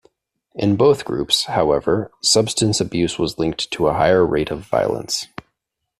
In both groups, however, substance abuse was linked to a higher rate of violence.